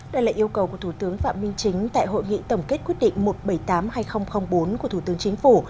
đây là yêu cầu của thủ tướng phạm minh chính tại hội nghị tổng kết quyết định một trăm bảy mươi tám hai nghìn bốn của thủ tướng chính phủ